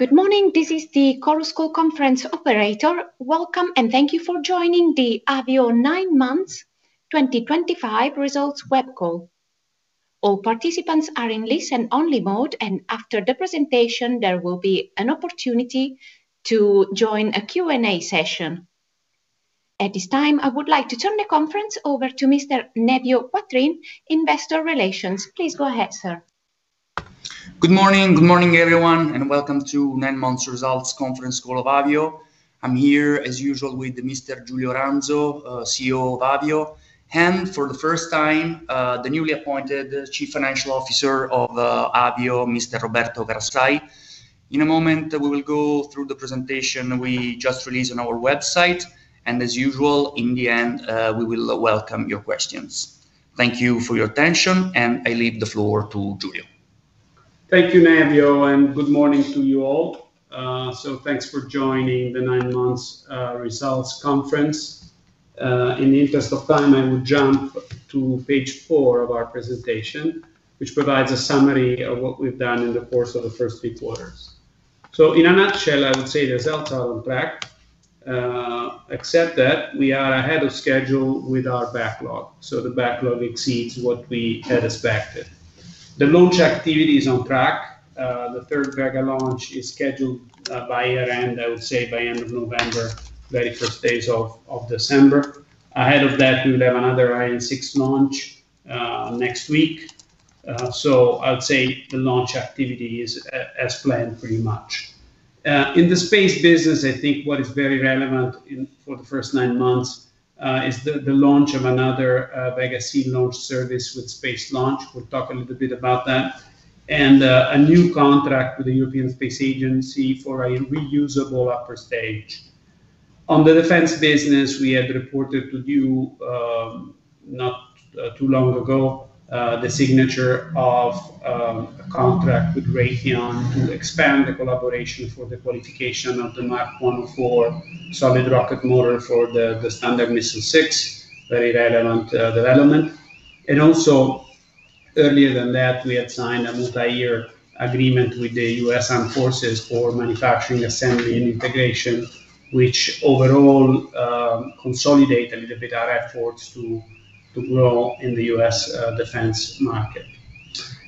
Good morning. This is the CORSCO Conference Operator. Welcome and thank you for joining the Avio 9 Months 2025 Results Web Call. All participants are in listen-only mode, and after the presentation, there will be an opportunity to join a Q&A session. At this time, I would like to turn the conference over to Mr. Nevio Quattrin, Investor Relations. Please go ahead, sir. Good morning. Good morning, everyone, and welcome to the 9 Months Results Conference Call of Avio. I'm here, as usual, with Mr. Giulio Ranzo, CEO of Avio, and for the first time, the newly appointed Chief Financial Officer of Avio, Mr. Roberto Carassai. In a moment, we will go through the presentation we just released on our website, and as usual, in the end, we will welcome your questions. Thank you for your attention, and I leave the floor to Giulio. Thank you, Nevio, and good morning to you all. Thank you for joining the 9 Months Results Conference. In the interest of time, I will jump to page 4 of our presentation, which provides a summary of what we've done in the course of the first three quarters. In a nutshell, I would say the results are on track, except that we are ahead of schedule with our backlog. The backlog exceeds what we had expected. The launch activity is on track. The third Vega launch is scheduled by year-end, I would say by the end of November, the very first days of December. Ahead of that, we will have another Ariane 6 launch next week. I would say the launch activity is as planned, pretty much. In the space business, I think what is very relevant for the first nine months is the launch of another Vega C launch service with Space Launch. We'll talk a little bit about that, and a new contract with the European Space Agency for a reusable upper stage. In the defense business, we had reported to you not too long ago the signature of a contract with Raytheon to expand the collaboration for the qualification of the Mach 104 solid rocket motor for the Standard Missile 6. Very relevant development. Earlier than that, we had signed a multi-year agreement with the U.S. Armed Forces for manufacturing, assembly, and integration, which overall consolidates a little bit our efforts to grow in the U.S. defense market.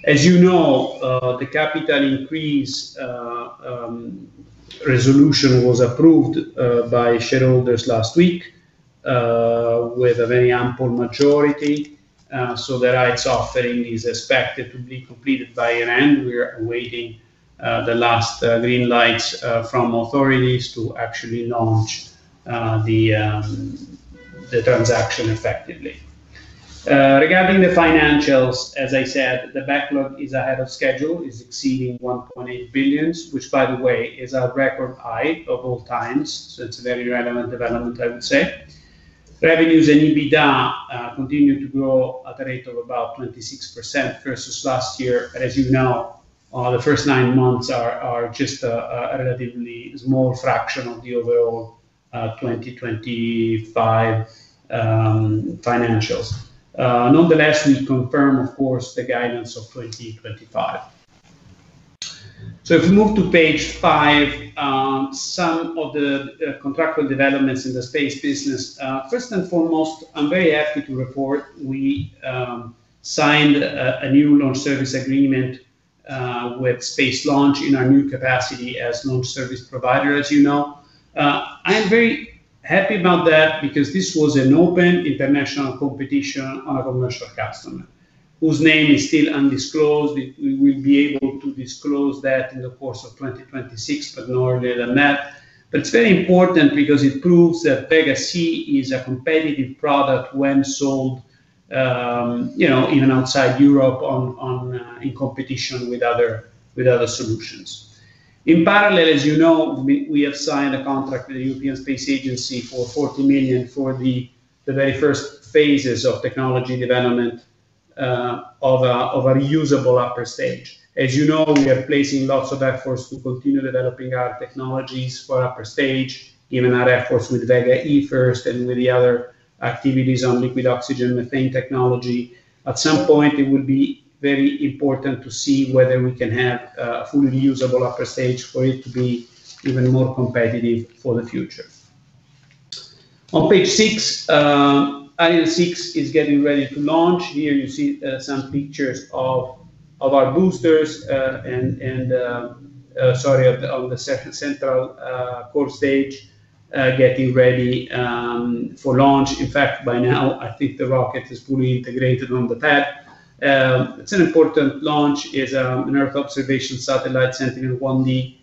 As you know, the capital increase resolution was approved by shareholders last week with a very ample majority, so the rights offering is expected to be completed by year-end. We are awaiting the last green lights from authorities to actually launch the transaction effectively. Regarding the financials, as I said, the backlog is ahead of schedule, exceeding 1.8 billion, which, by the way, is our record high of all times. It's a very relevant development, I would say. Revenues and EBITDA continue to grow at a rate of about 26% versus last year. As you know, the first nine months are just a relatively small fraction of the overall 2025 financials. Nonetheless, we confirm, of course, the guidance of 2025. If we move to page 5, some of the contractual developments in the space business. First and foremost, I'm very happy to report we signed a new launch service agreement with Space Launch in our new capacity as a launch service provider, as you know. I am very happy about that because this was an open international competition on a commercial customer, whose name is still undisclosed. We will be able to disclose that in the course of 2026, but no earlier than that. It's very important because it proves that Vega C is a competitive product when sold, you know, even outside Europe in competition with other solutions. In parallel, as you know, we have signed a contract with the European Space Agency for 40 million for the very first phases of technology development of a reusable upper stage. As you know, we are placing lots of efforts to continue developing our technologies for upper stage, given our efforts with Vega E first and with the other activities on liquid oxygen methane technology. At some point, it will be very important to see whether we can have a fully reusable upper stage for it to be even more competitive for the future. On page 6, Ariane 6 is getting ready to launch. Here you see some pictures of our boosters and, sorry, of the central core stage getting ready for launch. In fact, by now, I think the rocket is fully integrated on the pad. It's an important launch. It's an Earth observation satellite, Sentinel-1D.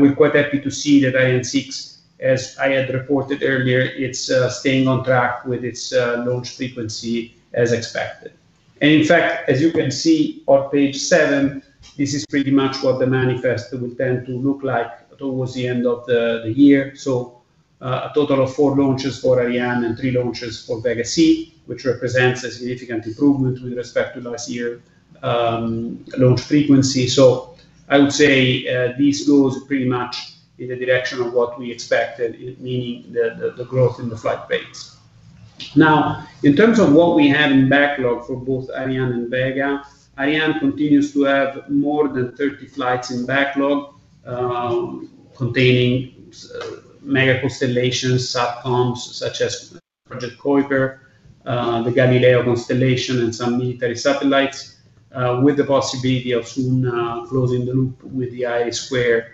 We're quite happy to see that Ariane 6, as I had reported earlier, is staying on track with its launch frequency as expected. As you can see on page 7, this is pretty much what the manifest will tend to look like towards the end of the year. A total of four launches for Ariane and three launches for Vega C, which represents a significant improvement with respect to last year's launch frequency. I would say this goes pretty much in the direction of what we expected, meaning the growth in the flight rates. Now, in terms of what we have in backlog for both Ariane and Vega, Ariane continues to have more than 30 flights in backlog, containing mega constellations, subcoms such as Project Kuiper, the Galileo constellation, and some military satellites, with the possibility of soon closing the loop with the IRIS²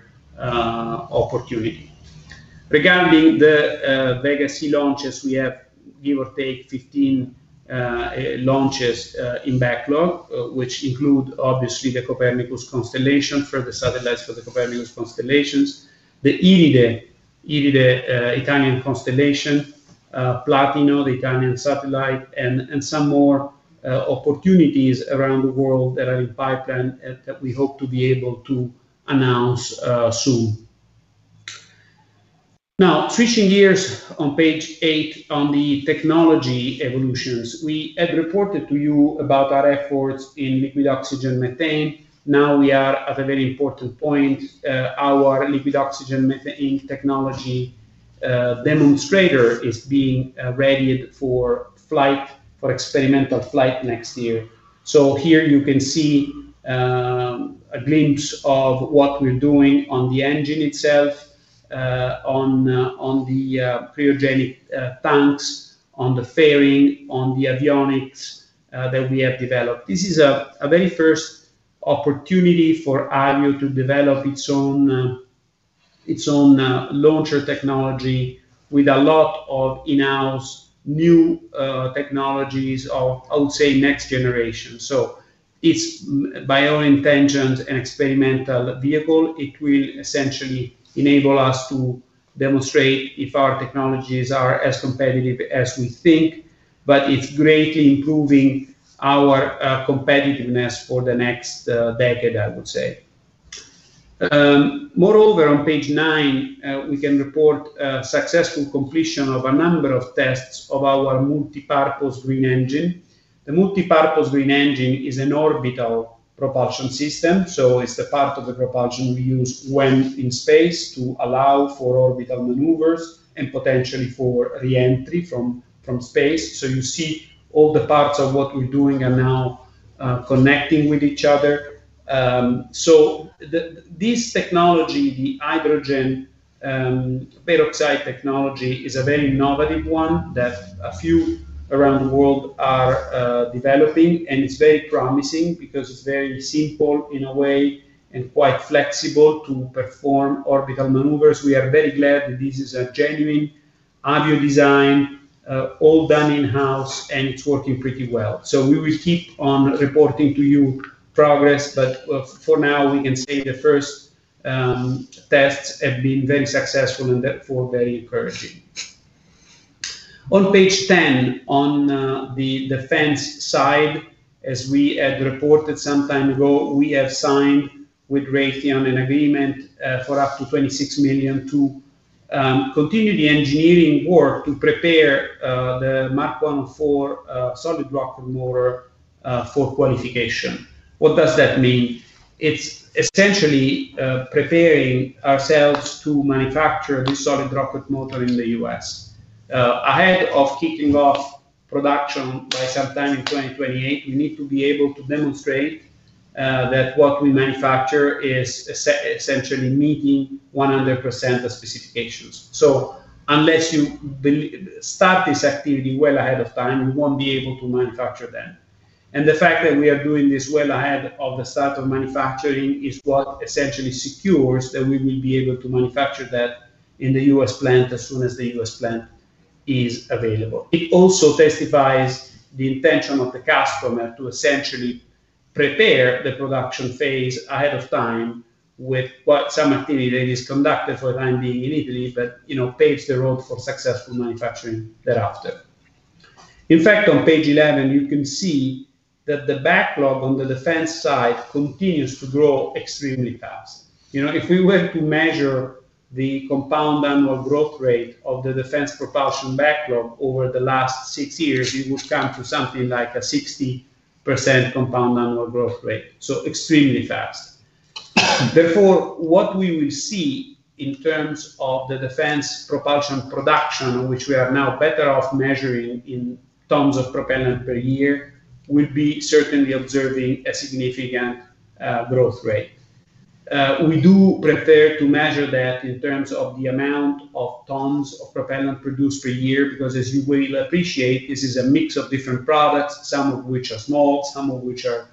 opportunity. Regarding the Vega C launches, we have, give or take, 15 launches in backlog, which include obviously the Copernicus constellation, further satellites for the Copernicus constellations, the IRIDE, IRIDE Italian constellation, Platino, the Italian satellite, and some more opportunities around the world that are in pipeline that we hope to be able to announce soon. Now, switching gears, on page 8, on the technology evolutions, we had reported to you about our efforts in liquid oxygen methane. Now we are at a very important point. Our liquid oxygen methane technology demonstrator is being readied for flight, for experimental flight next year. Here you can see a glimpse of what we're doing on the engine itself, on the cryogenic tanks, on the fairing, on the avionics that we have developed. This is a very first opportunity for Avio to develop its own launcher technology with a lot of in-house new technologies of, I would say, next generation. It's by all intentions an experimental vehicle. It will essentially enable us to demonstrate if our technologies are as competitive as we think, but it's greatly improving our competitiveness for the next decade, I would say. Moreover, on page 9, we can report a successful completion of a number of tests of our multipurpose green engine. The multipurpose green engine is an orbital propulsion system. It's the part of the propulsion we use when in space to allow for orbital maneuvers and potentially for reentry from space. You see all the parts of what we're doing are now connecting with each other. This technology, the hydrogen peroxide technology, is a very innovative one that a few around the world are developing, and it's very promising because it's very simple in a way and quite flexible to perform orbital maneuvers. We are very glad that this is a genuine Avio design, all done in-house, and it's working pretty well. We will keep on reporting to you progress, but for now, we can say the first tests have been very successful and therefore very encouraging. On page 10, on the defense side, as we had reported some time ago, we have signed with Raytheon an agreement for up to 26 million to continue the engineering work to prepare the Mach 104 solid rocket motor for qualification. What does that mean? It's essentially preparing ourselves to manufacture this solid rocket motor in the U.S. Ahead of kicking off production by some time in 2028, we need to be able to demonstrate that what we manufacture is essentially meeting 100% of specifications. Unless you start this activity well ahead of time, you won't be able to manufacture them. The fact that we are doing this well ahead of the start of manufacturing is what essentially secures that we will be able to manufacture that in the U.S. plant as soon as the U.S. plant is available. It also testifies the intention of the customer to essentially prepare the production phase ahead of time with some activity that is conducted for the time being in Italy, but paves the road for successful manufacturing thereafter. In fact, on page 11, you can see that the backlog on the defense side continues to grow extremely fast. If we were to measure the compound annual growth rate of the defense propulsion backlog over the last six years, you would come to something like a 60% compound annual growth rate. Extremely fast. Therefore, what we will see in terms of the defense propulsion production, which we are now better off measuring in tons of propellant per year, will be certainly observing a significant growth rate. We do prepare to measure that in terms of the amount of tons of propellant produced per year, because, as you will appreciate, this is a mix of different products, some of which are small, some of which are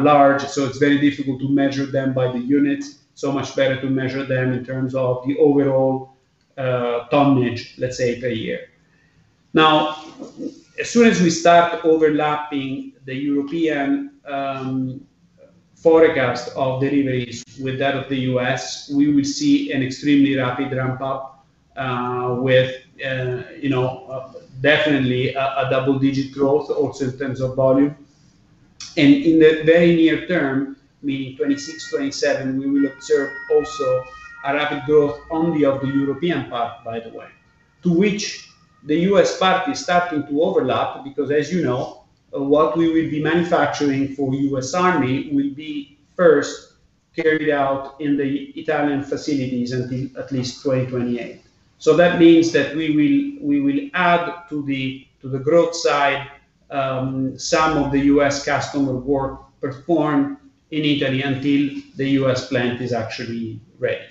large. It's very difficult to measure them by the units. It's so much better to measure them in terms of the overall tonnage per year. Now, as soon as we start overlapping the European forecast of deliveries with that of the U.S., we will see an extremely rapid ramp-up with definitely a double-digit growth, also in terms of volume. In the very near term, meaning 2026, 2027, we will observe also a rapid growth only of the European part, by the way, to which the U.S. part is starting to overlap because, as you know, what we will be manufacturing for the U.S. Army will be first carried out in the Italian facilities until at least 2028. That means that we will add to the growth side some of the U.S. customer work performed in Italy until the U.S. plant is actually ready.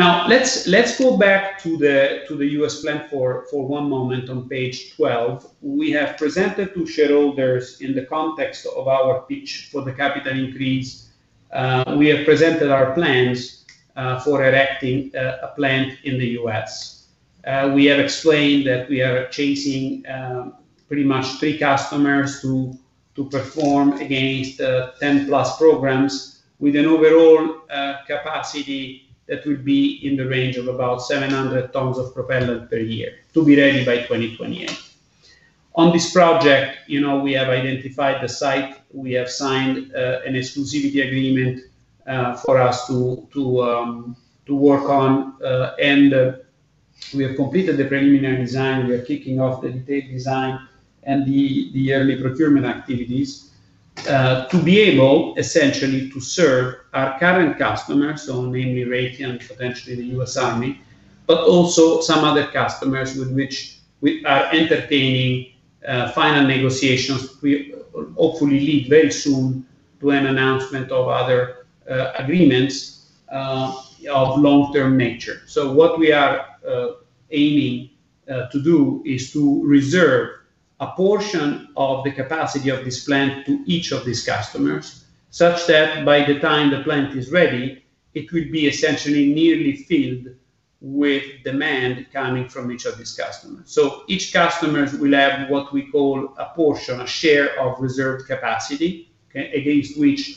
Now, let's go back to the U.S. plant for one moment on page 12. We have presented to shareholders in the context of our pitch for the capital increase, we have presented our plans for erecting a plant in the U.S. We have explained that we are chasing pretty much three customers to perform against 10+ programs with an overall capacity that will be in the range of about 700 tons of propellant per year to be ready by 2028. On this project, we have identified the site. We have signed an exclusivity agreement for us to work on, and we have completed the preliminary design. We are kicking off the detailed design and the early procurement activities to be able essentially to serve our current customers, so namely Raytheon and potentially the U.S. Army, but also some other customers with which we are entertaining final negotiations to hopefully lead very soon to an announcement of other agreements of long-term nature. What we are aiming to do is to reserve a portion of the capacity of this plant to each of these customers, such that by the time the plant is ready, it will be essentially nearly filled with demand coming from each of these customers. Each customer will have what we call a portion, a share of reserved capacity, against which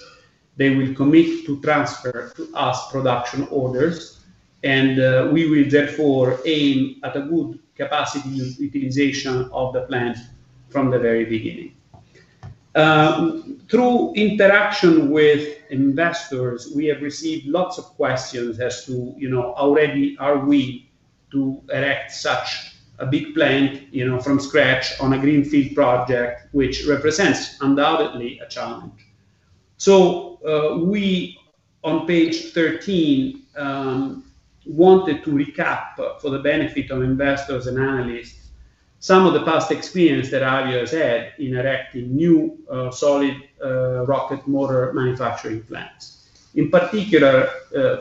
they will commit to transfer to us production orders, and we will therefore aim at a good capacity utilization of the plant from the very beginning. Through interaction with investors, we have received lots of questions as to, you know, are we ready to erect such a big plant, you know, from scratch on a greenfield project, which represents undoubtedly a challenge. On page 13, we wanted to recap for the benefit of investors and analysts some of the past experience that Avio has had in erecting new solid rocket motor manufacturing plants. In particular,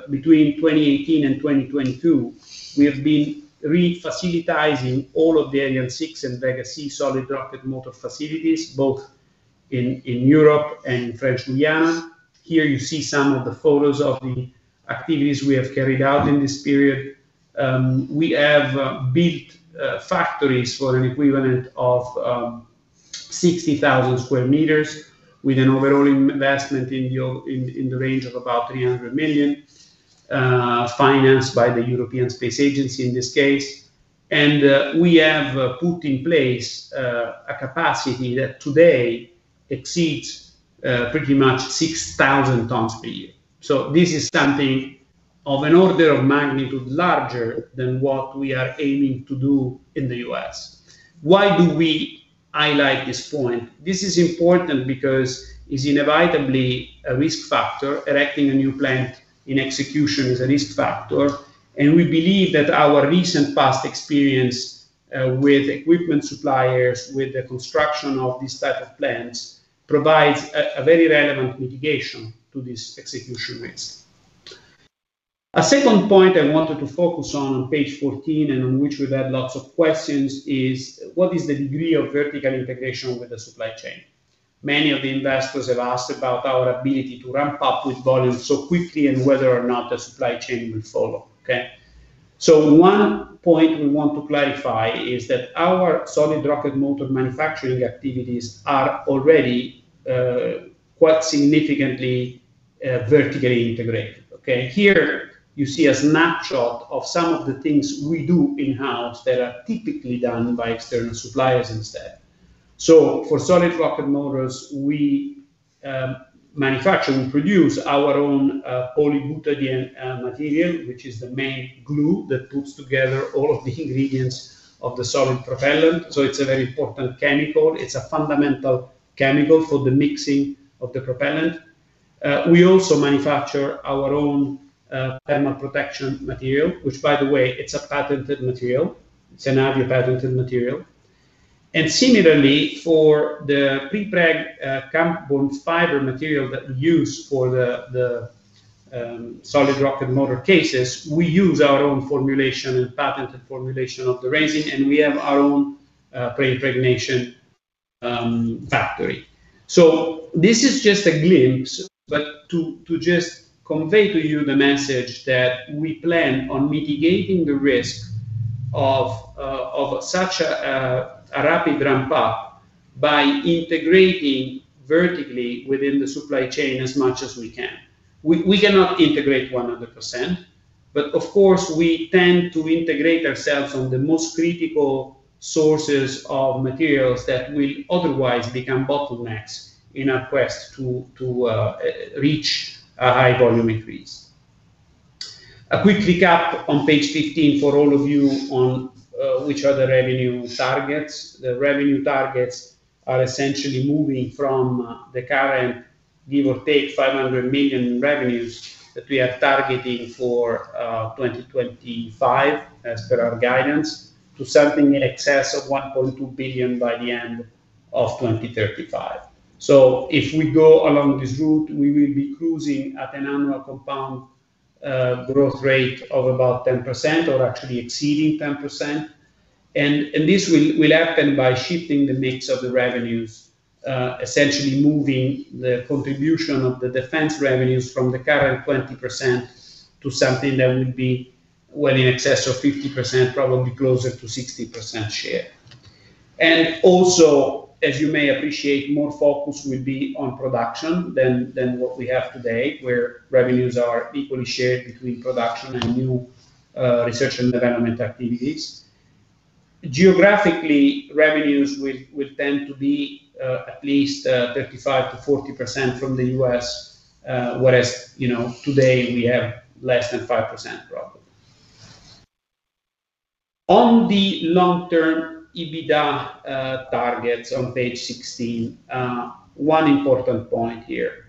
between 2018 and 2022, we have been refacilitating all of the Ariane 6 and Vega C solid rocket motor facilities, both in Europe and in French Guiana. Here you see some of the photos of the activities we have carried out in this period. We have built factories for an equivalent of 60,000 square meters with an overall investment in the range of about 300 million, financed by the European Space Agency in this case. We have put in place a capacity that today exceeds pretty much 6,000 tons per year. This is something of an order of magnitude larger than what we are aiming to do in the U.S. This is important because it's inevitably a risk factor. Erecting a new plant in execution is a risk factor, and we believe that our recent past experience with equipment suppliers, with the construction of these types of plants, provides a very relevant mitigation to this execution risk. A second point I wanted to focus on on page 14 and on which we've had lots of questions is what is the degree of vertical integration with the supply chain? Many of the investors have asked about our ability to ramp up with volume so quickly and whether or not the supply chain will follow. Okay, so one point we want to clarify is that our solid rocket motor manufacturing activities are already quite significantly vertically integrated. Here you see a snapshot of some of the things we do in-house that are typically done by external suppliers instead. For solid rocket motors, we manufacture, we produce our own polybutadiene material, which is the main glue that puts together all of the ingredients of the solid propellant. It's a very important chemical. It's a fundamental chemical for the mixing of the propellant. We also manufacture our own thermal protection material, which, by the way, it's a patented material. It's an Avio patented material. Similarly, for the prepreg carbon fiber material that we use for the solid rocket motor cases, we use our own formulation and patented formulation of the resin, and we have our own preimpregnation factory. This is just a glimpse, but to convey to you the message that we plan on mitigating the risk of such a rapid ramp-up by integrating vertically within the supply chain as much as we can. We cannot integrate 100%, but of course, we tend to integrate ourselves on the most critical sources of materials that will otherwise become bottlenecks in our quest to reach a high volume increase. A quick recap on page 15 for all of you on which are the revenue targets. The revenue targets are essentially moving from the current, give or take 500 million in revenues that we are targeting for 2025, as per our guidance, to something in excess of 1.2 billion by the end of 2035. If we go along this route, we will be cruising at an annual compound growth rate of about 10% or actually exceeding 10%. This will happen by shifting the mix of the revenues, essentially moving the contribution of the defense revenues from the current 20% to something that will be well in excess of 50%, probably closer to 60% share. As you may appreciate, more focus will be on production than what we have today, where revenues are equally shared between production and new research and development activities. Geographically, revenues will tend to be at least 35%-40% from the U.S., whereas today we have less than 5% probably. On the long-term EBITDA targets on page 16, one important point here.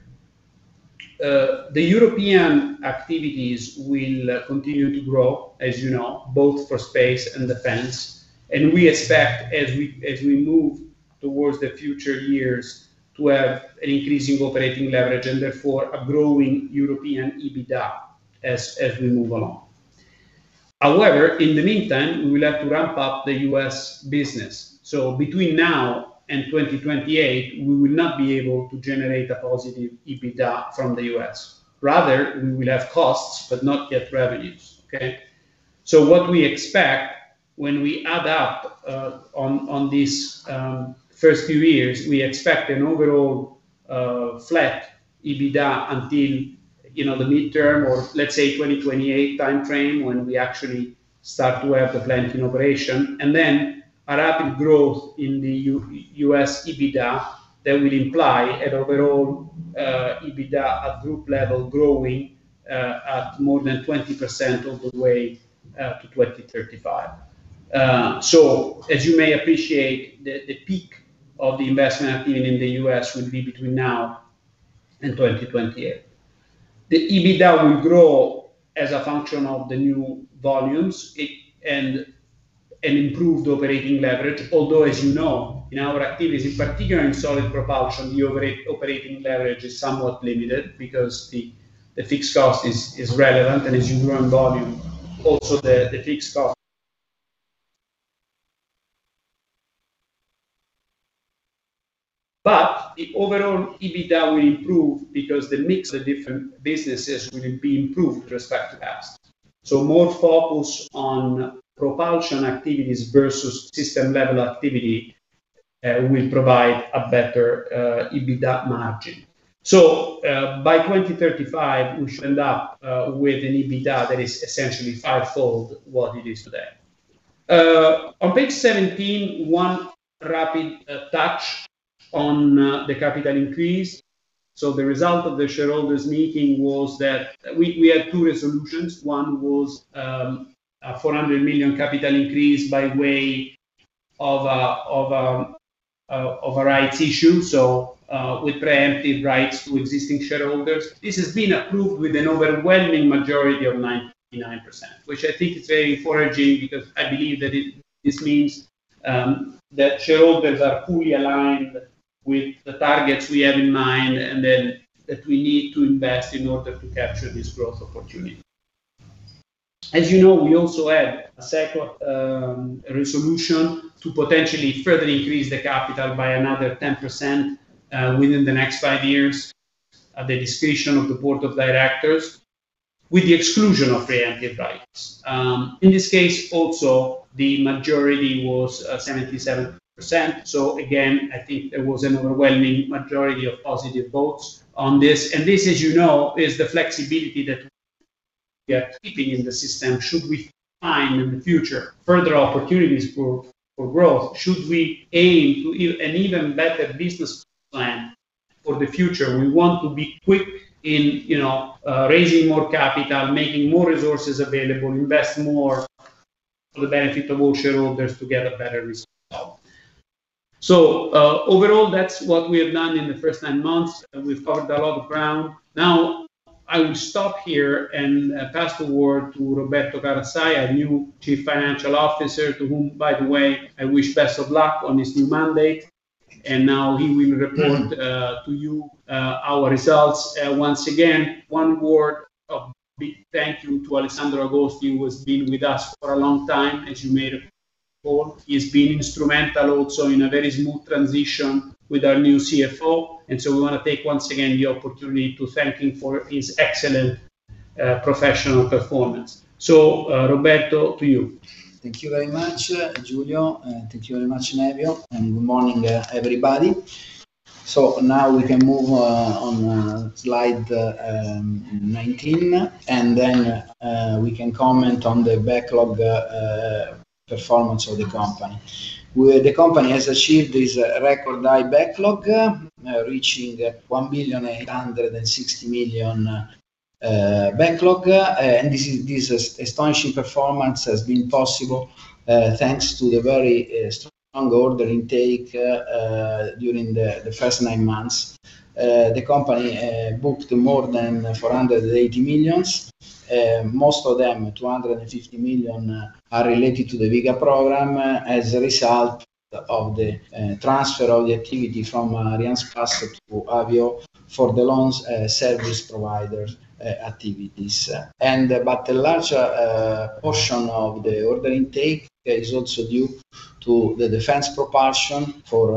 The European activities will continue to grow, as you know, both for space and defense, and we expect, as we move towards the future years, to have an increasing operating leverage and therefore a growing European EBITDA as we move along. However, in the meantime, we will have to ramp up the U.S. business. Between now and 2028, we will not be able to generate a positive EBITDA from the U.S. Rather, we will have costs, but not yet revenues. What we expect when we add up on these first few years, we expect an overall flat EBITDA until, you know, the midterm or let's say 2028 timeframe when we actually start to have the plant in operation, and then a rapid growth in the U.S. EBITDA that will imply an overall EBITDA at group level growing at more than 20% all the way to 2035. As you may appreciate, the peak of the investment activity in the U.S. will be between now and 2028. The EBITDA will grow as a function of the new volumes and improved operating leverage, although, as you know, in our activities, in particular in solid propulsion, the operating leverage is somewhat limited because the fixed cost is relevant, and as you grow in volume, also the fixed cost. The overall EBITDA will improve because the mix of the different businesses will be improved with respect to that. More focus on propulsion activities versus system-level activity will provide a better EBITDA margin. By 2035, we should end up with an EBITDA that is essentially five-fold what it is today. On page 17, one rapid touch on the capital increase. The result of the shareholders' meeting was that we had two resolutions. One was a 400 million capital increase by way of a rights issue, with preemptive rights to existing shareholders. This has been approved with an overwhelming majority of 99%, which I think is very encouraging because I believe that this means that shareholders are fully aligned with the targets we have in mind and that we need to invest in order to capture this growth opportunity. As you know, we also had a second resolution to potentially further increase the capital by another 10% within the next five years at the discretion of the Board of Directors, with the exclusion of preemptive rights. In this case, also, the majority was 77%. I think there was an overwhelming majority of positive votes on this. This, as you know, is the flexibility that we are keeping in the system. Should we find in the future further opportunities for growth? Should we aim to an even better business plan for the future? We want to be quick in raising more capital, making more resources available, invest more for the benefit of all shareholders to get a better result. Overall, that's what we have done in the first nine months. We've covered a lot of ground. I will stop here and pass the word to Roberto Carassai, our new Chief Financial Officer, to whom, by the way, I wish best of luck on his new mandate. He will report to you our results. Once again, one word of big thank you to Alessandro Agosti, who has been with us for a long time, as you may recall. He has been instrumental also in a very smooth transition with our new CFO. We want to take once again the opportunity to thank him for his excellent professional performance. Roberto, to you. Thank you very much, Giulio. Thank you very much, Nevio, and good morning, everybody. Now we can move on slide 19, and then we can comment on the backlog performance of the company. The company has achieved this record-high backlog, reaching 1.86 billion backlog. This astonishing performance has been possible thanks to the very strong order intake during the first nine months. The company booked more than 480 million. Most of them, 250 million, are related to the Vega program as a result of the transfer of the activity from Arianespace to Avio for the launch service provider activities. A larger portion of the order intake is also due to the defense propulsion for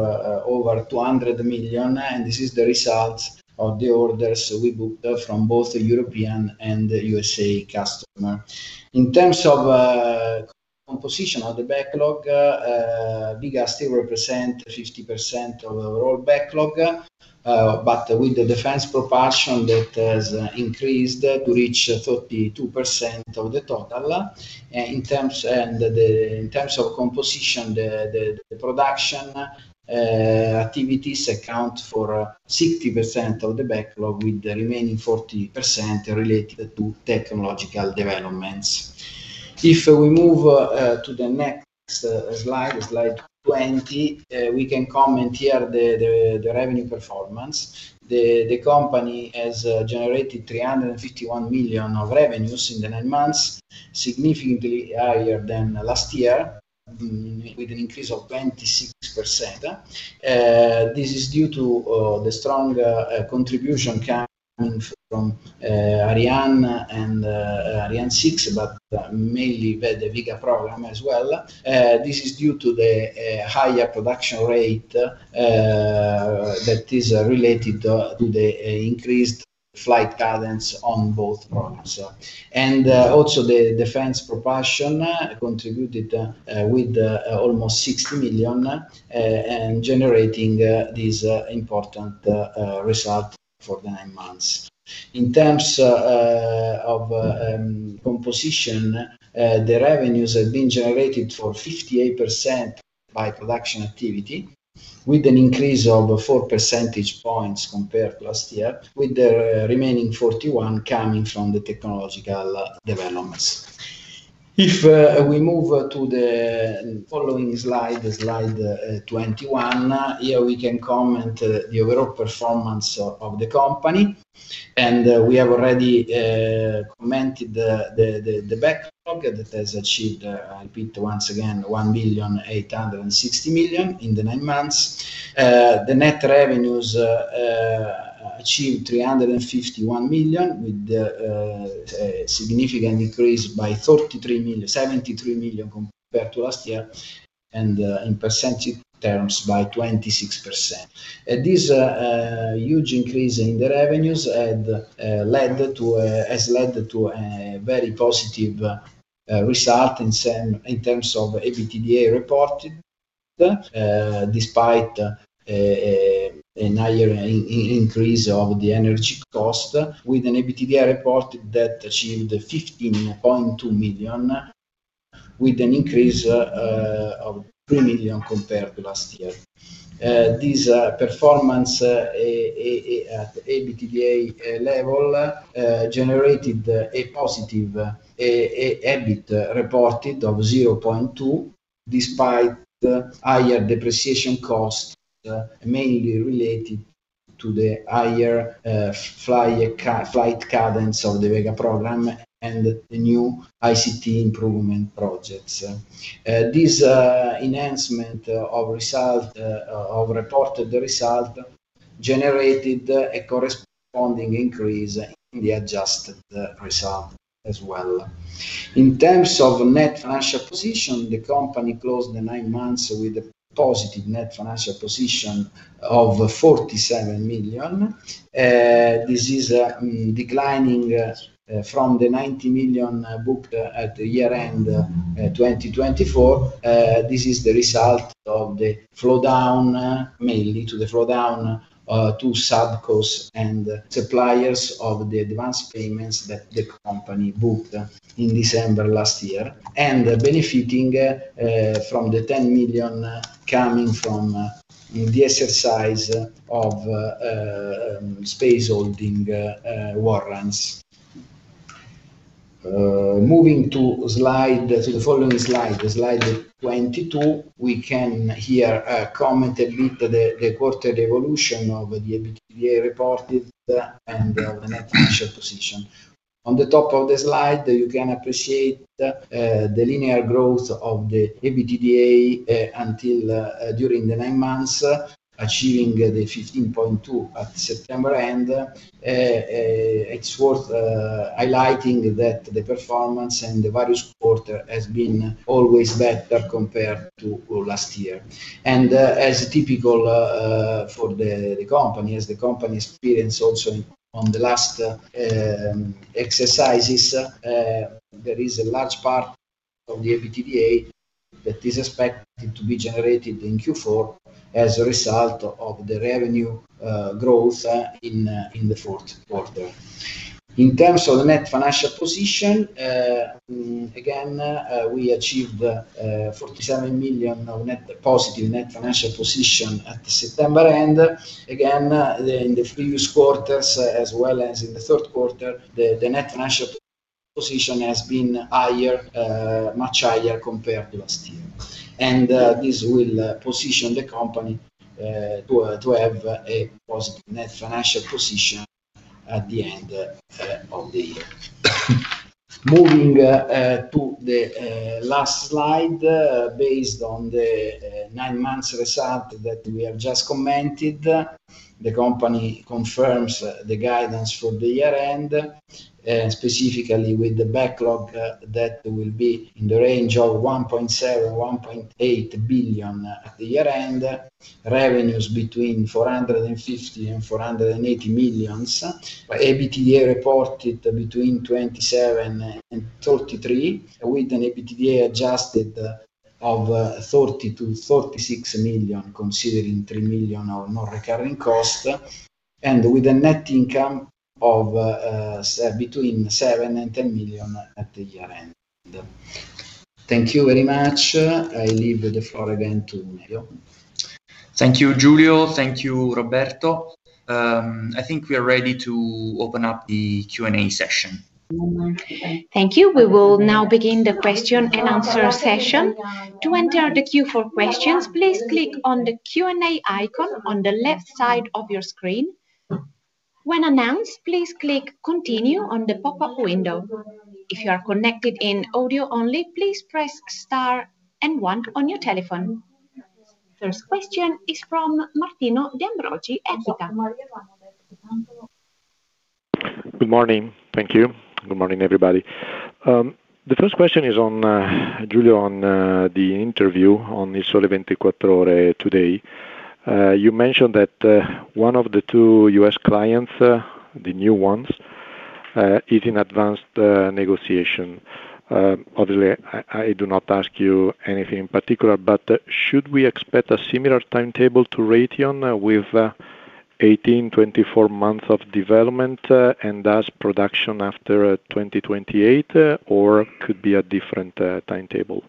over 200 million, and this is the result of the orders we booked from both the European and the U.S. customers. In terms of composition of the backlog, Vega still represents 50% of the overall backlog, with the defense propulsion that has increased to reach 32% of the total. In terms of composition, the production activities account for 60% of the backlog, with the remaining 40% related to technological developments. If we move to the next slide, slide 20, we can comment here the revenue performance. The company has generated 351 million of revenues in the nine months, significantly higher than last year, with an increase of 26%. This is due to the strong contribution coming from Ariane and Ariane 6, mainly Vega program as well. This is due to the higher production rate that is related to the increased flight cadence on both rockets. The defense propulsion contributed with almost 60 million and generating this important result for the nine months. In terms of composition, the revenues have been generated for 58% by production activity, with an increase of 4 percentage points compared to last year, with the remaining 41% coming from the technological developments. If we move to the following slide, slide 21, here we can comment the overall performance of the company. We have already commented the backlog that has achieved, I repeat once again, 1.86 billion in the nine months. The net revenues achieved 351 million, with a significant increase by 73 million compared to last year, and in percentage terms by 26%. This huge increase in the revenues has led to a very positive result in terms of EBITDA reported, despite a higher increase of the energy cost, with an EBITDA reported that achieved 15.2 million, with an increase of 3 million compared to last year. This performance at the EBITDA level generated a positive EBITDA reported of 0.2 million, despite higher depreciation costs, mainly related to the higher flight cadence of the Vega program and the new ICT improvement projects. This enhancement of reported result generated a corresponding increase in the adjusted result as well. In terms of net financial position, the company closed the nine months with a positive net financial position of 47 million. This is declining from the 90 million booked at year-end 2024. This is the result of the flow down, mainly to the flow down to sub costs and suppliers of the advanced payments that the company booked in December last year, and benefiting from the 10 million coming from the exercise of space holding warrants. Moving to the following slide, slide 22, we can here comment a bit the quarterly evolution of the EBITDA reported and of the net financial position. On the top of the slide, you can appreciate the linear growth of the EBITDA during the nine months, achieving the 15.2 million at September end. It's worth highlighting that the performance in the various quarters has been always better compared to last year. As typical for the company, as the company experienced also on the last exercises, there is a large part of the EBITDA that is expected to be generated in Q4 as a result of the revenue growth in the fourth quarter. In terms of the net financial position, again, we achieved 47 million of positive net financial position at the September end. In the previous quarters, as well as in the third quarter, the net financial position has been higher, much higher compared to last year. This will position the company to have a positive net financial position at the end of the year. Moving to the last slide, based on the nine months' result that we have just commented, the company confirms the guidance for the year-end, specifically with the backlog that will be in the range of 1.7 billion-1.8 billion at the year-end, revenues between 450 million and 480 million, EBITDA reported between 27 million and 33 million, with an EBITDA adjusted of 30 million-36 million, considering 3 million of non-recurring costs, and with a net income of between 7 million and 10 million at the year-end. Thank you very much. I leave the floor again to Nevio. Thank you, Giulio. Thank you, Roberto. I think we are ready to open up the Q&A session. Thank you. We will now begin the question and answer session. To enter the Q4 questions, please click on the Q&A icon on the left side of your screen. When announced, please click Continue on the pop-up window. If you are connected in audio only, please press star and one on your telephone. First question is from Martino D'Ambrogi, Equitasim. Good morning. Thank you. Good morning, everybody. The first question is on Giulio, on the interview on Il Sole 24 Ore today. You mentioned that one of the two U.S. clients, the new ones, is in advanced negotiation. Obviously, I do not ask you anything in particular, should we expect a similar timetable to Raytheon with 18, 24 months of development and thus production after 2028, or could it be a different timetable?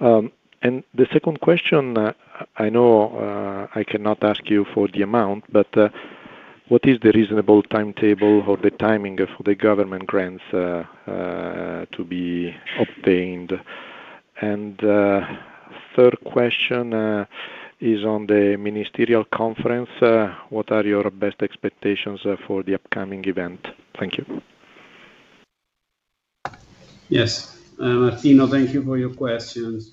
The second question, I know I cannot ask you for the amount, what is the reasonable timetable or the timing for the government grants to be obtained? The third question is on the ministerial conference. What are your best expectations for the upcoming event? Thank you. Yes, Martino, thank you for your questions.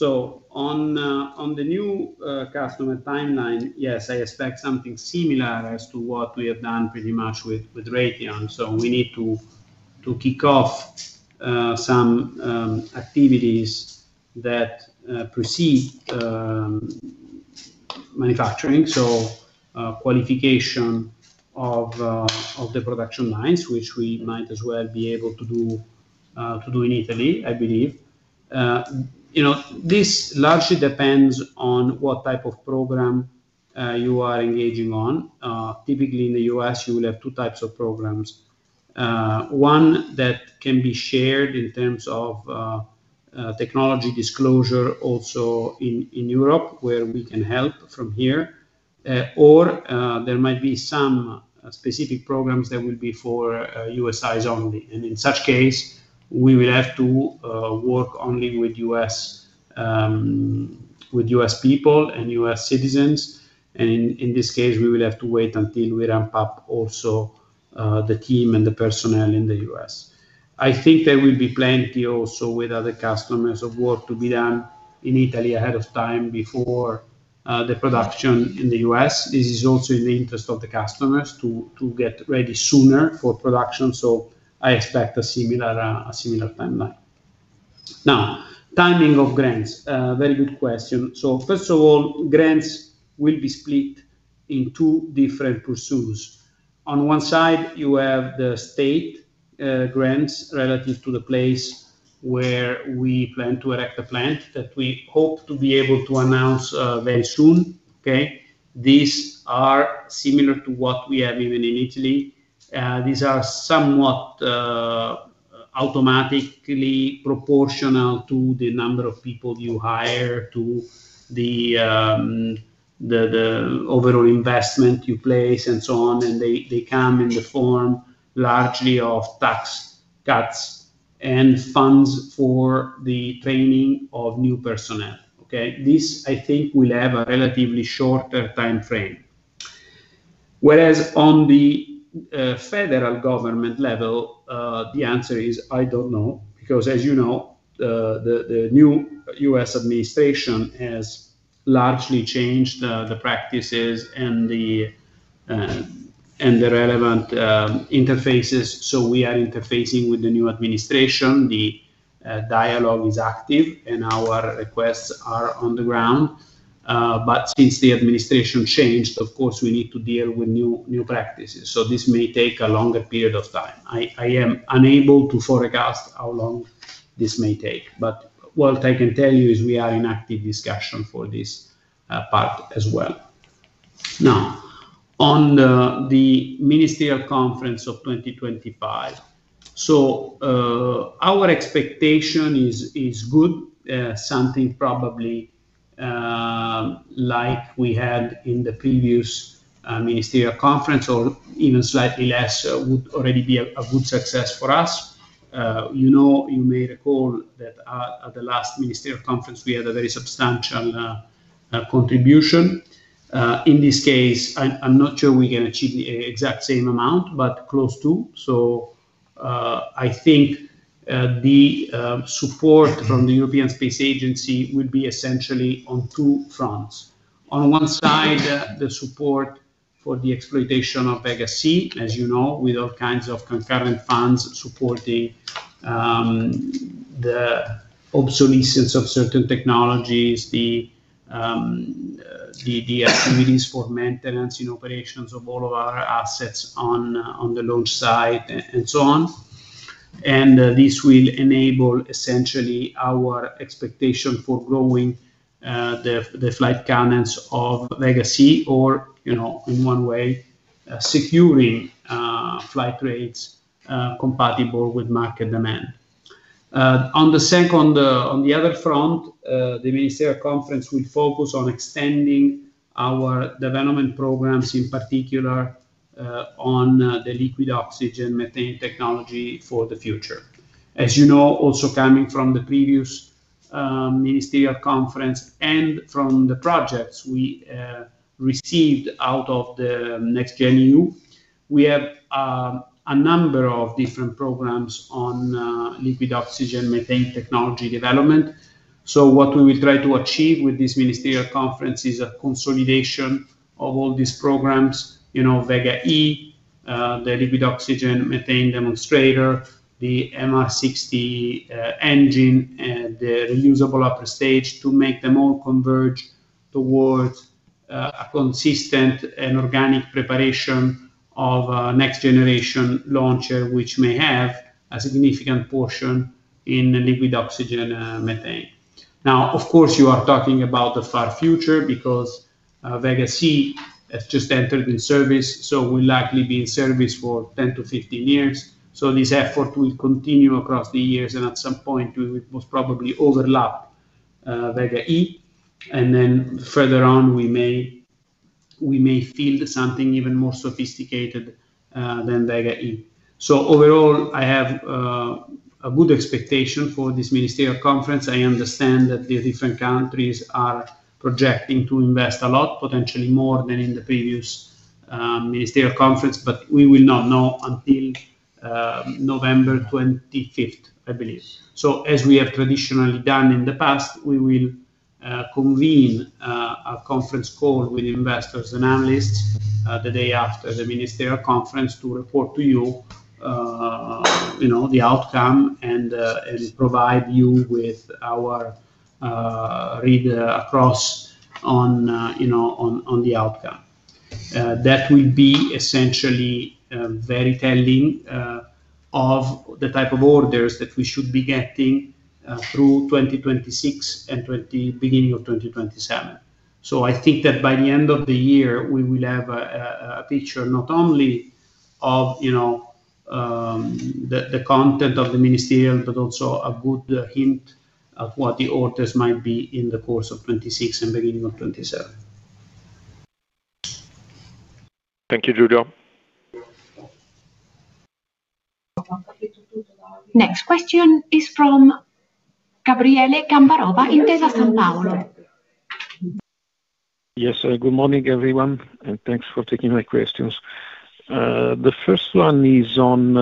On the new customer timeline, yes, I expect something similar as to what we have done pretty much with Raytheon. We need to kick off some activities that precede manufacturing, so qualification of the production lines, which we might as well be able to do in Italy, I believe. This largely depends on what type of program you are engaging on. Typically, in the U.S., you will have two types of programs: one that can be shared in terms of technology disclosure, also in Europe, where we can help from here, or there might be some specific programs that will be for U.S. eyes only. In such case, we will have to work only with U.S. people and U.S. citizens. In this case, we will have to wait until we ramp up also the team and the personnel in the U.S. I think there will be plenty also with other customers of work to be done in Italy ahead of time before the production in the U.S. This is also in the interest of the customers to get ready sooner for production. I expect a similar timeline. Now, timing of grants, very good question. First of all, grants will be split into two different pursuits. On one side, you have the state grants relative to the place where we plan to erect the plant that we hope to be able to announce very soon. These are similar to what we have even in Italy. These are somewhat automatically proportional to the number of people you hire, to the overall investment you place, and so on. They come in the form largely of tax cuts and funds for the training of new personnel. This, I think, will have a relatively shorter timeframe. Whereas on the federal government level, the answer is I don't know, because, as you know, the new U.S. administration has largely changed the practices and the relevant interfaces. We are interfacing with the new administration. The dialogue is active, and our requests are on the ground. Since the administration changed, of course, we need to deal with new practices. This may take a longer period of time. I am unable to forecast how long this may take, but what I can tell you is we are in active discussion for this part as well. Now, on the ministerial conference of 2025, our expectation is good, something probably like we had in the previous ministerial conference or even slightly less would already be a good success for us. You may recall that at the last ministerial conference, we had a very substantial contribution. In this case, I'm not sure we can achieve the exact same amount, but close to. I think the support from the European Space Agency will be essentially on two fronts. On one side, the support for the exploitation of Vega C, as you know, with all kinds of concurrent funds supporting the obsolescence of certain technologies, the activities for maintenance and operations of all of our assets on the launch site, and so on. This will enable essentially our expectation for growing the flight cadence of Vega C, or, in one way, securing flight rates compatible with market demand. On the other front, the ministerial conference will focus on extending our development programs, in particular on the liquid oxygen methane technology for the future. As you know, also coming from the previous ministerial conference and from the projects we received out of the NextGen EU, we have a number of different programs on liquid oxygen methane technology development. What we will try to achieve with this ministerial conference is a consolidation of all these programs, Vega E, the liquid oxygen methane demonstrator, the MR60 engine, and the reusable upper stage to make them all converge towards a consistent and organic preparation of a next-generation launcher, which may have a significant portion in liquid oxygen methane. Now, of course, you are talking about the far future because Vega C has just entered in service. We'll likely be in service for 10 to 15 years. This effort will continue across the years, and at some point, we will most probably overlap Vega E. Further on, we may field something even more sophisticated than Vega E. Overall, I have a good expectation for this ministerial conference. I understand that the different countries are projecting to invest a lot, potentially more than in the previous ministerial conference, but we will not know until November 25, I believe. As we have traditionally done in the past, we will convene a conference call with investors and analysts the day after the ministerial conference to report to you the outcome and provide you with our read across on the outcome. That will be essentially very telling of the type of orders that we should be getting through 2026 and the beginning of 2027. I think that by the end of the year, we will have a picture not only of, you know, the content of the ministerial, but also a good hint of what the orders might be in the course of 2026 and the beginning of 2027. Thank you, Giulio. Next question is from Gabriele Gambarova in Intesa Sanpaolo. Yes, good morning, everyone, and thanks for taking my questions. The first one is on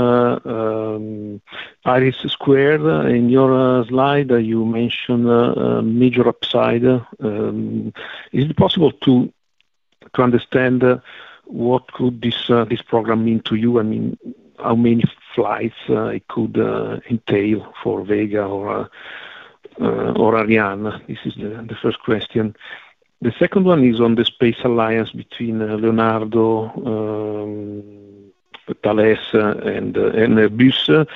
IRIS². In your slide, you mentioned a major upside. Is it possible to understand what could this program mean to you? I mean, how many flights it could entail for Vega or Ariane? This is the first question. The second one is on the space alliance between Leonardo, Thales, and Airbus.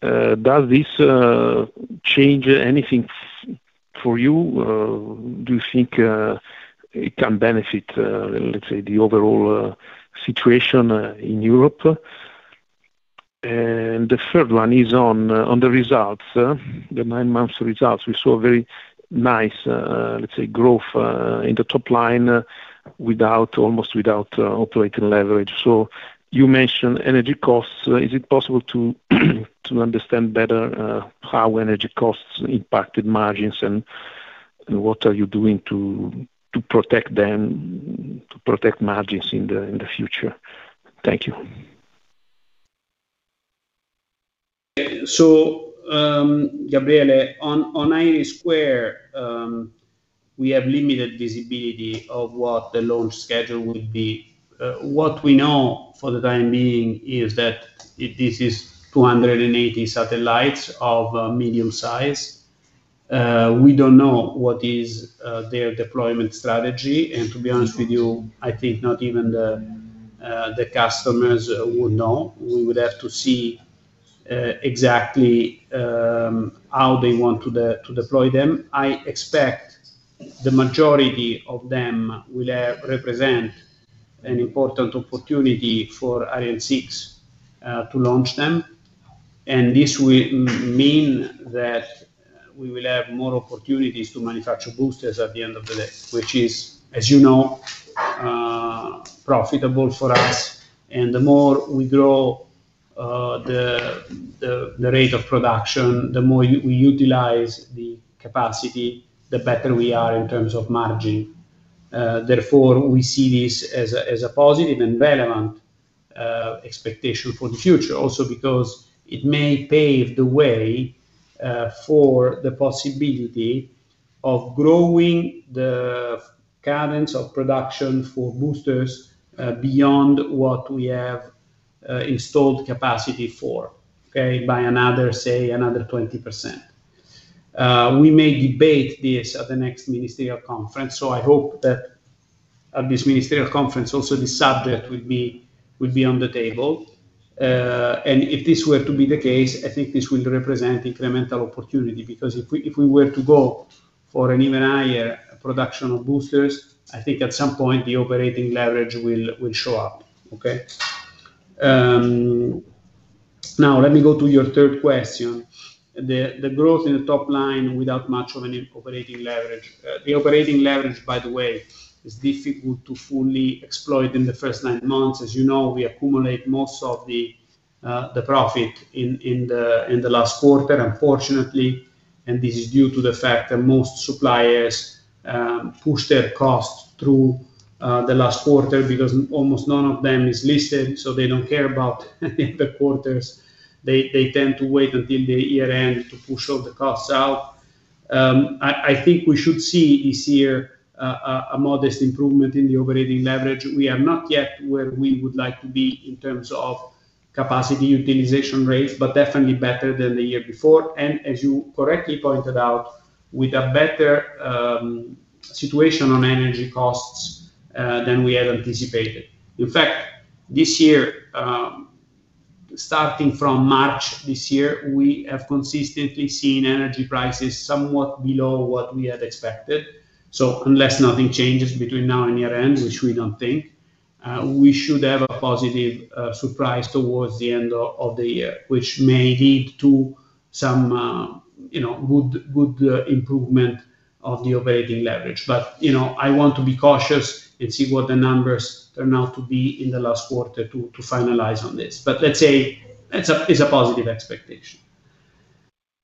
Does this change anything for you? Do you think it can benefit, let's say, the overall situation in Europe? The third one is on the results, the nine months' results. We saw a very nice, let's say, growth in the top line almost without operating leverage. You mentioned energy costs. Is it possible to understand better how energy costs impacted margins and what are you doing to protect them, to protect margins in the future? Thank you. Gabriele, on IRIS², we have limited visibility of what the launch schedule would be. What we know for the time being is that this is 280 satellites of medium size. We don't know what is their deployment strategy. To be honest with you, I think not even the customers would know. We would have to see exactly how they want to deploy them. I expect the majority of them will represent an important opportunity for Ariane 6 to launch them. This will mean that we will have more opportunities to manufacture boosters at the end of the day, which is, as you know, profitable for us. The more we grow the rate of production, the more we utilize the capacity, the better we are in terms of margin. Therefore, we see this as a positive and relevant expectation for the future, also because it may pave the way for the possibility of growing the cadence of production for boosters beyond what we have installed capacity for, by another, say, another 20%. We may debate this at the next ministerial conference. I hope that at this ministerial conference, also this subject will be on the table. If this were to be the case, I think this will represent incremental opportunity because if we were to go for an even higher production of boosters, I think at some point the operating leverage will show up. Now let me go to your third question. The growth in the top line without much of an operating leverage. The operating leverage, by the way, is difficult to fully exploit in the first nine months. As you know, we accumulate most of the profit in the last quarter, unfortunately, and this is due to the fact that most suppliers push their costs through the last quarter because almost none of them is listed. They don't care about the quarters. They tend to wait until the year-end to push all the costs out. I think we should see this year a modest improvement in the operating leverage. We are not yet where we would like to be in terms of capacity utilization rates, but definitely better than the year before. As you correctly pointed out, with a better situation on energy costs than we had anticipated. In fact, this year, starting from March this year, we have consistently seen energy prices somewhat below what we had expected. Unless nothing changes between now and year-end, which we don't think, we should have a positive surprise towards the end of the year, which may lead to some good improvement of the operating leverage. I want to be cautious and see what the numbers turn out to be in the last quarter to finalize on this. Let's say it's a positive expectation.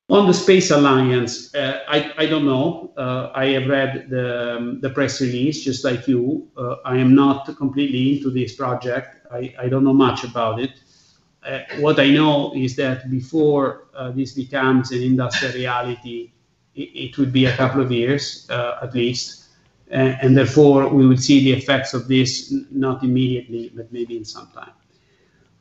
On the space alliance, I don't know. I have read the press release, just like you. I am not completely into this project. I don't know much about it. What I know is that before this becomes an industrial reality, it would be a couple of years, at least. Therefore, we will see the effects of this not immediately, but maybe in some time.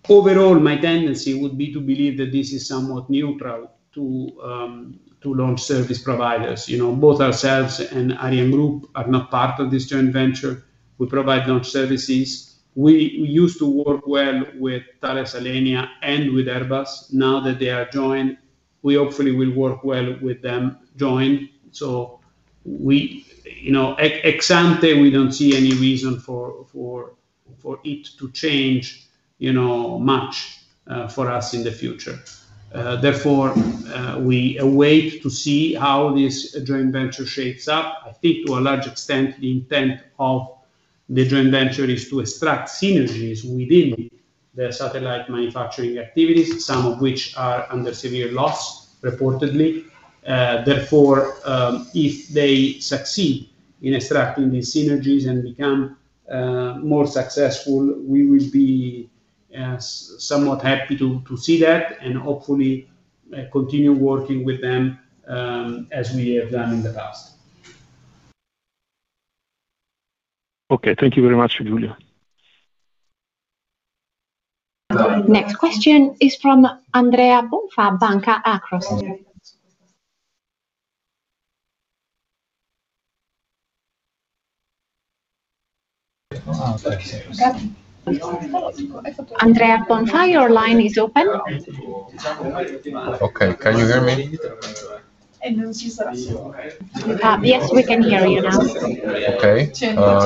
Overall, my tendency would be to believe that this is somewhat neutral to launch service providers. Both ourselves and Ariane Group are not part of this joint venture. We provide launch services. We used to work well with Thales Alenia and with Airbus. Now that they are joined, we hopefully will work well with them joined. Ex ante, we don't see any reason for it to change much for us in the future. Therefore, we await to see how this joint venture shapes up. I think to a large extent, the intent of the joint venture is to extract synergies within the satellite manufacturing activities, some of which are under severe loss, reportedly. Therefore, if they succeed in extracting these synergies and become more successful, we will be somewhat happy to see that and hopefully continue working with them as we have done in the past. Okay, thank you very much, Giulio. Next question is from Andrea Bonfa, Banca Akros. Andrea Bonfa, your line is open. Okay, can you hear me? Yes, we can hear you now. Okay.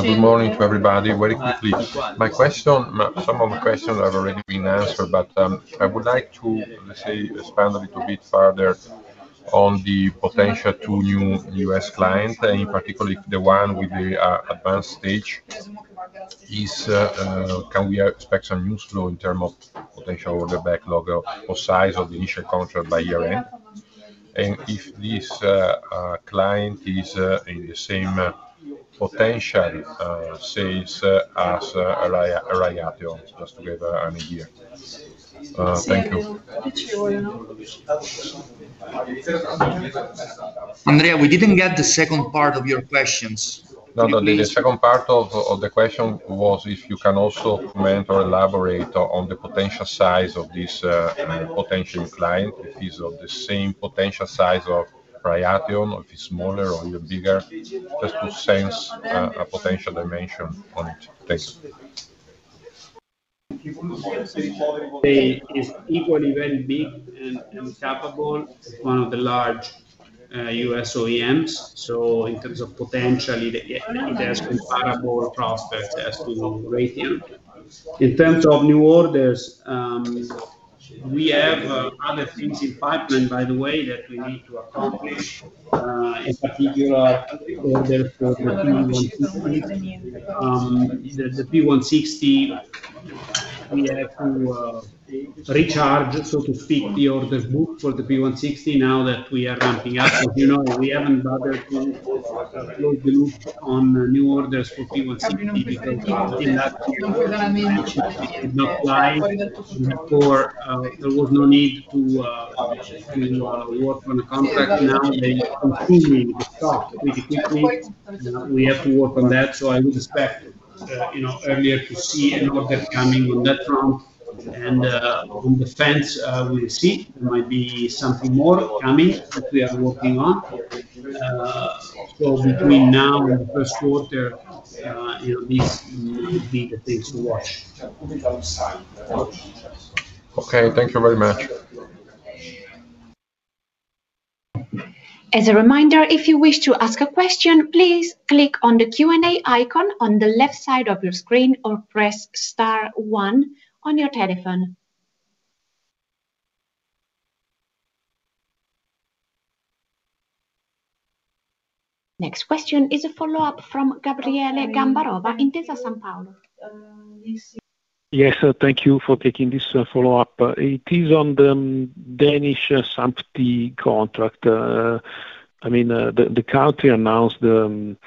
Good morning to everybody. Very quickly, my question, some of the questions have already been answered, but I would like to expand a little bit further on the potential two new U.S. clients, in particular the one with the advanced stage. Can we expect some news flow in terms of potential order backlog or size of the initial contract by year-end? If this client is in the same potential sales as Raytheon, just to give an idea. Thank you. Andrea, we didn't get the second part of your questions. No, the second part of the question was if you can also comment or elaborate on the potential size of this potential new client, if he's of the same potential size of Raytheon, or if he's smaller or even bigger, just to sense a potential dimension on this. I would say it's equally very big and capable. It's one of the large U.S. OEMs. In terms of potential, it has comparable prospects as to Raytheon. In terms of new orders, we have other things in pipeline, by the way, that we need to accomplish, in particular orders for the P160. The P160, we have to recharge, so to speak, the orders booked for the P160 now that we are ramping up. As you know, we haven't bothered to close the loop on new orders for P160 because in that, it did not fly. There was no need to work on a contract now. They're consuming the stock pretty quickly. We have to work on that. I would expect, you know, earlier to see an order coming on that front. On the fence, we will see. There might be something more coming that we are working on. Between now and the first quarter, you know, this would be the things to watch. Okay, thank you very much. As a reminder, if you wish to ask a question, please click on the Q&A icon on the left side of your screen or press star one on your telephone. Next question is a follow-up from Gabriele Gambarova, Intesa Sanpaolo. Yes, thank you for taking this follow-up. It is on the Danish SAMP/T contract. I mean, the country announced it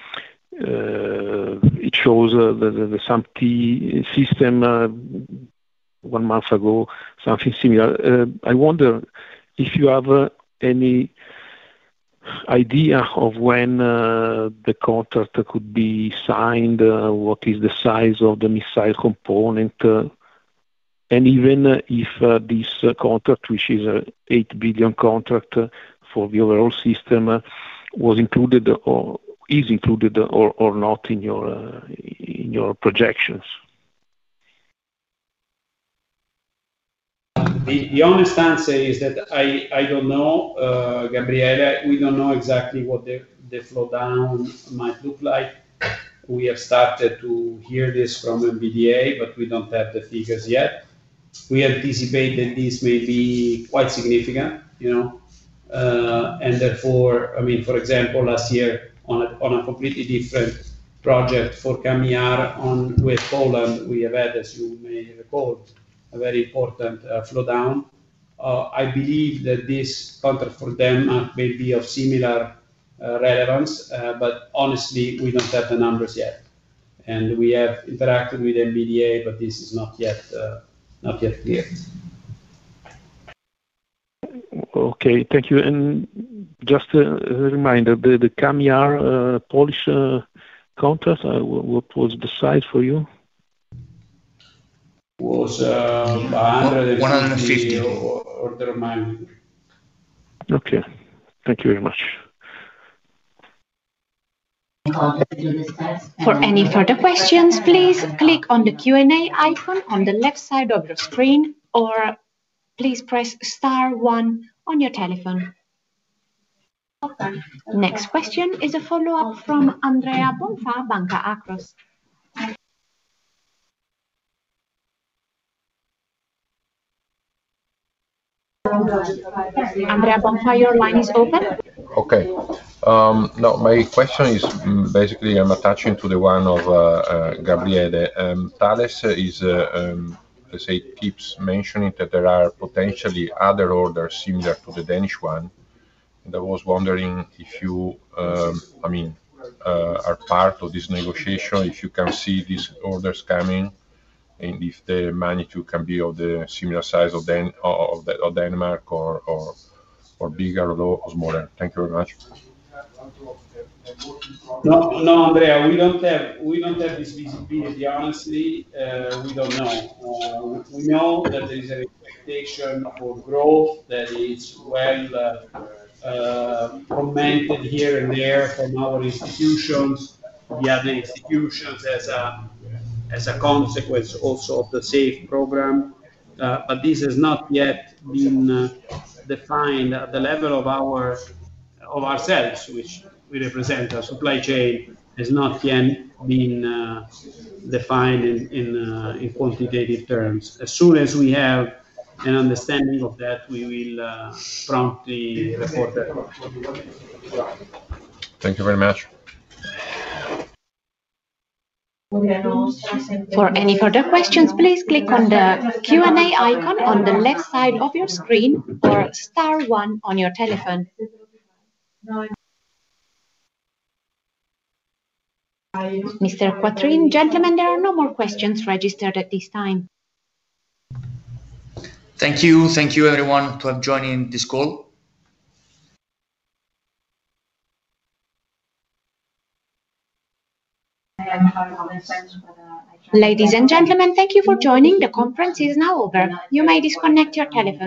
chose the SAMP/T system one month ago, something similar. I wonder if you have any idea of when the contract could be signed, what is the size of the missile component, and even if this contract, which is an 8 billion contract for the overall system, was included or is included or not in your projections? The honest answer is that I don't know. Gabriele, we don't know exactly what the flow down might look like. We have started to hear this from MBDA, but we don't have the figures yet. We anticipate that this may be quite significant, you know. For example, last year on a completely different project for CAMM-ER with Poland, we have had, as you may recall, a very important flow down. I believe that this contract for them may be of similar relevance, but honestly, we don't have the numbers yet. We have interacted with MBDA, but this is not yet clear. Okay, thank you. Just a reminder, the CAMM-ER Polish contract, what was the size for you? It was 150 order miles. Okay, thank you very much. For any further questions, please click on the Q&A icon on the left side of your screen or please press star one on your telephone. Next question is a follow-up from Andrea Bonfa, Banca Akros. Andrea Bonfa, your line is open. Okay. Now, my question is basically I'm attaching to the one of Gabriele. Thales, let's say, keeps mentioning that there are potentially other orders similar to the Danish one. I was wondering if you are part of this negotiation, if you can see these orders coming, and if the magnitude can be of the similar size of Denmark or bigger or smaller. Thank you very much. No, Andrea, we don't have this visibility. Honestly, we don't know. We know that there is an expectation for growth that is well commented here and there from our institutions, the other institutions, as a consequence also of the SAFE program. This has not yet been defined at the level of ourselves, which we represent. Our supply chain has not yet been defined in quantitative terms. As soon as we have an understanding of that, we will promptly report that. Thank you very much. For any further questions, please click on the Q&A icon on the left side of your screen or Star 1 on your telephone. Mr. Quattrin, gentlemen, there are no more questions registered at this time. Thank you. Thank you, everyone, for joining this call. Ladies and gentlemen, thank you for joining. The conference is now over. You may disconnect your telephone.